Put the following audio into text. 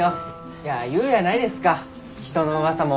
いや言うやないですか人のうわさも。